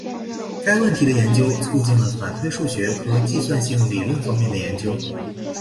该问题的研究促进了反推数学和计算性理论方面的研究。